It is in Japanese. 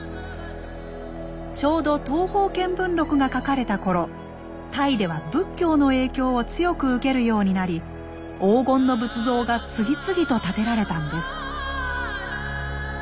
ちょうど「東方見聞録」が書かれた頃タイでは仏教の影響を強く受けるようになり黄金の仏像が次々とたてられたんです。